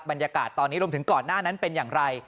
บรรยากาศตอนนี้รวมถึงก่อนหน้านั้นเป็นอย่างไร